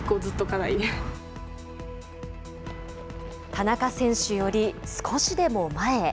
田中選手より少しでも前へ。